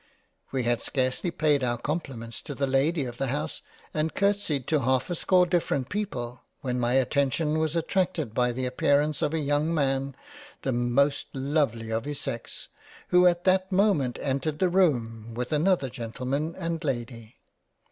We had scarcely paid our Compliments to the Lady of the House and curtseyed to half a score different people when my Attention was attracted by the appearance of a Young Man the most lovely of his Sex, who at that moment entered the Room with another Gentleman and Lady.